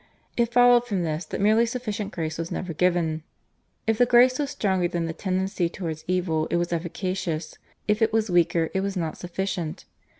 It followed from this that merely sufficient grace was never given. If the Grace was stronger than the tendency towards evil it was efficacious; if it was weaker it was not sufficient.